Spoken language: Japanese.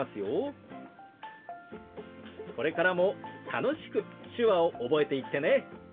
これからも楽しく手話を覚えていってね。